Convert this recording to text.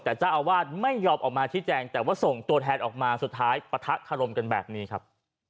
แต่เจ้าอาวาสไม่ยอมออกมาชี้แจงแต่ว่าส่งตัวแทนออกมาสุดท้ายปะทะคารมกันแบบนี้ครับ